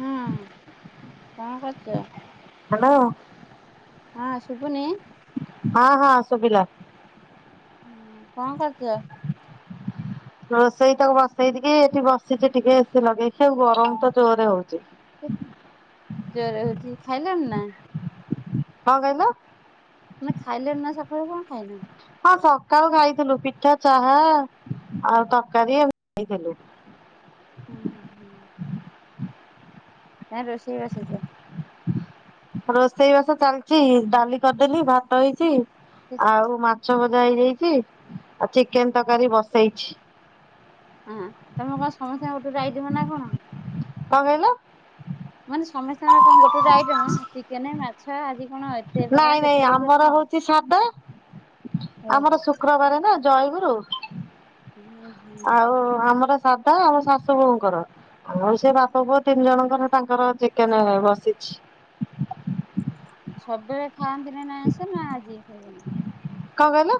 ହୁଁ କଣ କରୁଚ? ହ୍ୟାଲୋ। ହଁ ଶୁଭୁନି। ହଁ ହଁ ଶୁଭିଲା। ହୁଁ କଣ କରୁଚ? ରୋଷେଇ ତକ ବସେଇକି ଏଠି ବସିଛି ଟିକେ ଏସି ଲଗେଇକି ଆଉ ଗରମ ତ ଜୋରରେ ହଉଛି। ଜୋର ହଉଛି ଖାଇଲଣି ନା? କଣ କଇଲ? ମାନେ ଖାଇଲେଣି ନା ସକାଳୁ କଣ ଖାଇଲ? ହଁ ସକାଳୁ ଖାଇଥିଲୁ ପିଠା ଚାହା ଆଉ ତରକାରୀ ଏମିତି ଖାଇଥିଲି। ହୁଁ ହୁଁ। ନା ରୋଷେଇବସେଇ ଚ ରୋଷେଇ ବାସ ଚାଲିଛି ଡାଲି କରିଦେଲି ଭାତ ହେଇଛି ଆଉ ମା ଛ ଭଜା ହେଇଯାଇଛି ଆଉ ଚିକେନ ତରକାରୀ ବସେଇଛି। ହଁ ତମର କଣ ସମସ୍ତଙ୍କ ଗୋଟେ ଗୋଟେ ଆଇଟମ୍ ନା କଣ? କଣ କହିଲେ? ମାନେ ସମସ୍ତ ସାଙ୍ଗରେ କଣ ଗୋଟେ ଗୋଟେ ଆଇଟମ୍ ଚି ଚିକେନେ ମାଛ ଆଜି କଣ ଏତେ ନାଇଁ ପ୍ରକାର ନାଇଁ କେତେ ଲୋକ କି ଆମର ତମର? ହଉଛି ସାଧା ଆମର ଓହୋ ଶୁକ୍ରବାରେ ନା। ଜୟଗୁରୁ, ଓ ଆଉ ଆମର ସାଧା ଆମ ଶାଶୁ ବୋହୁଙ୍କର। ଆଉ ସେ ବାପ ପୁଅ ତିନି ଜଣଙ୍କର ତାଙ୍କର ଚିକେନେବସିଛି। ସବୁବେଳେ ଖାଆନ୍ତି ନି ନାଆ ଆଇଁସ ନା ଆଜି ଖାଇବେନି। କଣ କହିଲେ?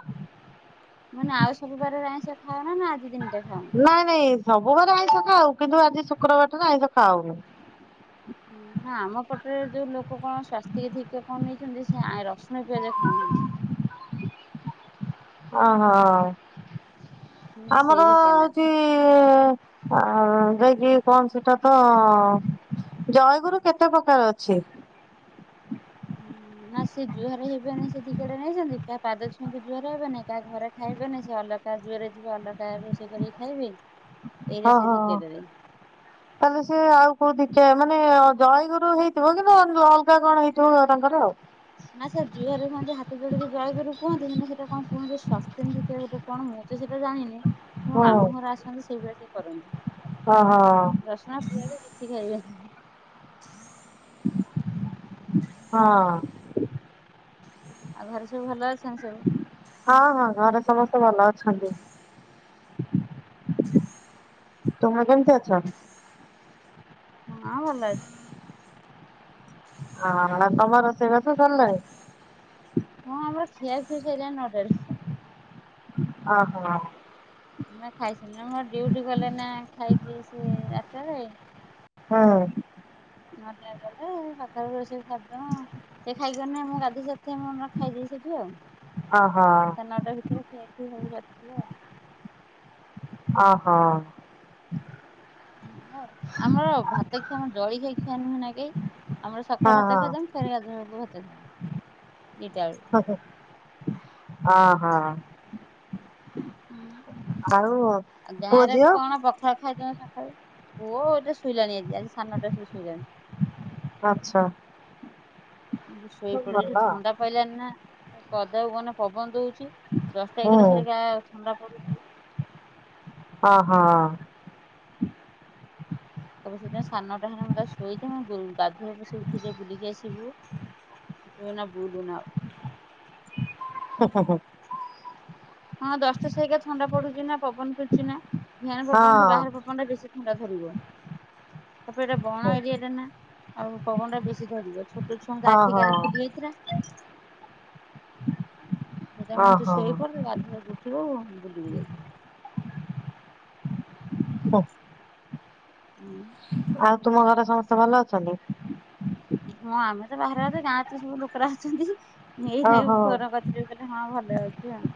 ମାନେ ଆଉ ସବୁ ବାରରେ ଆାଇଁଷ ଖାଉନା ନା ଆଜି ଦିନଟେ ଖାଉନ? ନାଇଁ, ନାଇଁ ସବୁବାରେଆଇଁଷ ଖାଉ, କିନ୍ତୁ ଆଜି ଶୁକ୍ରବାର ଟାରେ ଆଇଁଷ ଖାଉନୁ। ନା ଆମ ପଟରେ ଯୋଉ ଲୋକ କଣ ସ୍ଵାସ୍ଥିକି ଦୀଖା କଣ ନେଇଛନ୍ତି ସେ ଆରସ୍ ମୁଁ ପିଆଜ ଖାଉ ନାହିଁ ଅହଃ, ମାନେ ସେଇ ଆମର ଧିକା ନେବେ। ଯି ଆ ଯାଇକି କଣ ସେଟା ତ ଜୟଗୁରୁ କେତେ ପ୍ରକାର ଅଛି? ନା ସେ ଜୁହାର ହେବେନି, ସେ ଧିକାଟେ ନେଇଛନ୍ତି, କାହା ପାଦ ଛୁଇଁ ଜୁହାର ହେବେନି। କାହା ଘରେ ଖାଇବେନି ସେ ଅଲଗା, ଜୋରରେ ଯିବେ ଅଲଗା ରୋଷେଇ କରିକି ଖାଇବେ। ଏଇରା ହଁ, ସେ ଧିକାଟାରେ। ହଁ ତମେ ସେ ଆଉ କୋଉ ଦିଖା, ମାନେ ଜୟଗୁରୁ ହେଇଥିବ, କିନ୍ତୁ ନୂଆଅଲଗା କଣ ହେଇଥିବ ତାଙ୍କର। ଆଉ ନା ସାର୍ ଜୁହାର ହୁଅନ୍ତି ହାତ ଯୋଡିକି ଜଳଗୁରୁ କୁହନ୍ତି, ହେନେ ସେଟା କଣ କୁହନ୍ତି ସ୍ଥ୍ୟସ୍ଥେନ୍ଦିକେ ଗୋଟେ କଣ ମୁଁ ତ ସେଇଟା ଜାଣିନି, ମୋ ମାମୁଁ ଘରେ ଆସନ୍ତି ସେଇଭଳିଆ ସେ କରନ୍ତି। ହଁ, ହଁ ରସୁଣ ପିଆଜ କିଛି ଖାଇବେନି ହଁ ଆଉ ଘରେ ସବୁ ଭଲ ଅଛନ୍ତି ସବୁ? ହଁ, ହଁ, ଘରେ ସମସ୍ତେ ଭଲ ଅଛନ୍ତି। ହୁଁ [inaudible] ତୁମେ କେମତି ଅଛ? ହଁ--ଭଲ ଅଛି। ହଁ, ତମ ରୋସେଇବାସ ସରିଲାଣି? ହଁ, ଆମର ଖିଆଖିଇ ସରିଲାଣି ନଅଟାରୁ। ଅହଁ ମୁଁ ବା ଖାଇସାରିଲିଣୀ, ହଁ ଡ଼ିଉଟି ଗଲେ ନା ଖାଇକି ସେ ଆଠଟାରେ। ହଁ ନଅଟା ରେ ଗଲେ, ସାତଟାରୁ ରୋଷେଇ ସାରିଦେବ, ସେ ଖାଇକି ଗଲେଆମଗାଧୁଆସ ଥିମୁ ଆମେ। ଖାଇଦେଉସେଠି ଆଉ, ହଁ, ହଁ। ସା ନଅଟା ଭିତରେ ଖିଆଖିଇ ସବୁ ଚାଲିଥିବ ଆଉ। ଓହୋ। ଆମର ଆମର ଭାତ ଖିଆ ଆମ ଜଳ ଖିଆ ନୁହେଁ ନା କେଇ। ଆମର ସଖାଳେ ହଁ ଭାତ ହଁ ଖାଇଦମି, ଫେରେ ଗାଧୁଆବେଳକୁ ଭାତ ଖାଇ [inaudible] ଦିଇଟା ବେଳୁ। ଓ ହୋ। ଆଉ ପୁଅ ଗାଁରେ ଝିଅ କଣ ପ ଖାଳ ଖାଇଦିଅନ୍ତି ସକ। ଳୁ। ପୁଅ ଏଟି ଶୁଇଲାଣି ଆଜି, ଆଜି ସା ନଅଟାରେ ସେ ଶୁଇଲାଣି। ଆଚ୍ଛା। ମୁଁ ସବୁ ଶୋଇପଡେ ଏଠି ଭଲ ଥଣ୍ଡା ପଇଲାନି ନା, ଏ ପଦାକୁ ଗନେ ପବନ ଦଉଛି। ଦଶଟା ହୁଁ ଏଗାରଟା ସରିକା ଥଣ୍ଡା ପଡୁଛି। ହଁ, ହଁ। ତୋମେ ସେଇଥିପାଇଁ ସା ନଅଟା ହେନେ ମୁଁ ଯାଇ ଶୋଇ ଯା ଵୋଉ ଗାଧୁଆ [inaudible] ସେ ଉଠିଲେ ବୁଲିକି ଆସିବୁ। ତୁ ଏଇନା ବୁଲନା ଆଉ। ହଁ, ହଁ, ହଁ। ହଁ ଦଶଟା ସେଇକା ଥଣ୍ଡା ପଡୁଚି ନା, ପବନ ଫେରୁଚିନା [unintelligible] ପବନଠୁ ବାହାର ପବ ଥଣ୍ଡା, ବେଶୀ ଥଣ୍ଡା ଧରିବ। ତାପରେ ଏଟା ବଣ ଏରିଆ ଟାନା, ଆଉ ପଗନ ଟା ବେଶୀ ଧରିବ। ଛୋ ଟ ଛୁଆଙ୍କ ଓହୋ ଆଖି କାଲି ଫୁଲି ଯାଇଥିଲା। ତ ସେଇଥିପାଇଁ ମୁଁ କହିନି ତୁ ଓହୋ ଶୋଇପଡ ତୁ ଗାଧେଇ ଳାକୁ ଉଠିବୁ, ବୁଲିବୁ ଯାଇକି। ହୋ। ଉଁ, ଆଉ ତୁମ ଘରେ ସମସ୍ତେ ଭଲ ଅଛନ୍ତି? ହଁ ଆମେ ତ ବାହାରେ ଅଛେ। ଗାଁରେ ତ ସବୁ ଲୋକରା ଅଛନ୍ତି। ଏଇ ନେଇ ଓହୋ ଫୋନ୍ କରିଥିଲି। କହିଲେ ହଁ ଭଲ ଅଛି ଆଉ।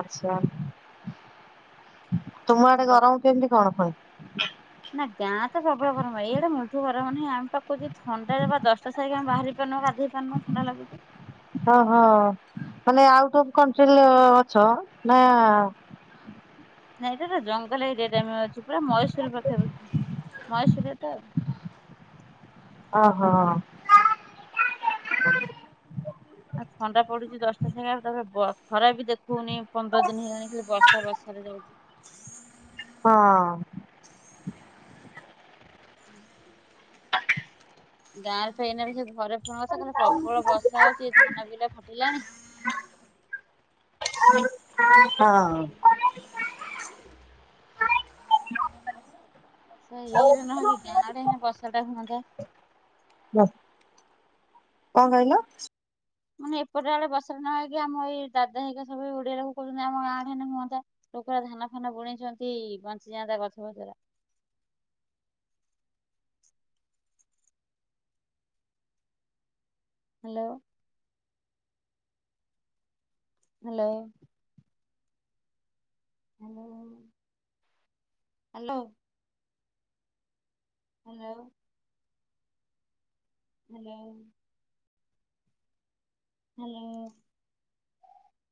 ଆଚ୍ଛା। ତୁମ ଆଡେ ଗରମ କେମିତି କଣ? [inaudible] ନା ଗାଁ ତ ପ୍ରବଳ ଗରମ। ଏଇଷଆଡେ ମୁଠୁ ଗରମ ନାହିଁ। ଆମେ ପାଖକୁ ଯେ ଥଣ୍ଡାରେ ବା ଦଶଟା ସାଇକି ଆମେ ବାହାରି ପାରୁନୁ। ଗାଧେଇ ପାରନୁ ଥଣ୍ଡା ଲାଗୁଚି। ଓହୋ! ମାନେ ଆଉଟ ଅଫ୍ କଣ୍ଟ୍ରି ଲ ଅଛ, ନା ନାଇଁ ତ ଏଟ ଜଙ୍ଗଲ ଏରିଆ ଟା ଆମେ ଅଛୁ ପୁରା। ମଏଶୂର ପାଖାପାଖି। ମଏଶୂରରେ ତ। ଓ ହଁ। ଆଉ ଥଣ୍ଡା ପଡୁଚି ଦଶଟା ସାଙ୍ଗା ତାପରେ ବ- ଖରା ବି ଦେଖଉନି ପନ୍ଦର ଦିନ ହେଇଗଲାଣି ଖାଲି ବର୍ଷା ବର୍ଷାରେ ଯାଉଚି। ହଁ। [inaudible] ଗାଁରେ ଫେ ଏଇନା ବି ସେ ଘରେ ଫୁଣି ବର୍ଷା କଲା, ପ୍ରବଳ ବର୍ଷା ହଉଛି ଧାନ ବିଲା ଫାଟିଲାଣି। ହଁ। ସେ ଏଇରେ ନ ହେଇକି ଗାଁ ଆଡେ ସିନା ବର୍ଷା ଟା ହୁଅନ୍ତା। ବ କଣ କହିଲ? ମାନେ ଏପଟେ ଆଡେ ବର୍ଷା ନ ହେଇକି ଆମ ଏଇ ଦାଦା ହେଇିକା ସବୁ ଓଡିଆ ଲୋକ କଉଚନ୍ତି ଆମ ଗାଁ ଆଡେ ହେନେ ହୁଅନ୍ତା। ଲୋକର ଧାନ ଫାନ ବୁଣିଛନ୍ତି ବଞ୍ଚିଯାଆନ୍ତା ଗଛ ପତର। Hello. Hello. Hello. Hello. Hello. Hello. Hello.